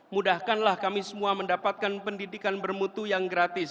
mudahkanlah kami semua mendapatkan pendidikan bermutu yang gratis